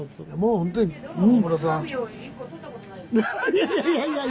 いやいやいやいや！